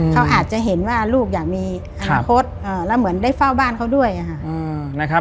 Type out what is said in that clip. เขาอาจจะเห็นว่าลูกอยากมีอนาคตแล้วเหมือนได้เฝ้าบ้านเขาด้วยค่ะ